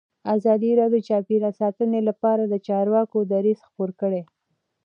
ازادي راډیو د چاپیریال ساتنه لپاره د چارواکو دریځ خپور کړی.